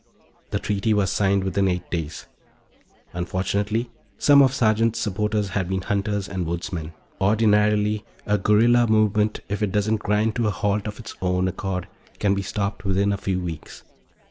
The treaty was signed within eight days. Unfortunately, some of Sergeant's supporters had been hunters and woodsmen Ordinarily, a guerrilla movement, if it doesn't grind to a halt of its own accord, can be stopped within a few weeks.